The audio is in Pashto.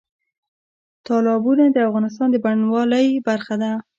تالابونه د افغانستان د بڼوالۍ برخه ده.